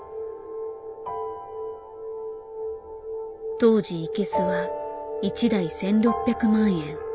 当時イケスは１台１，６００万円。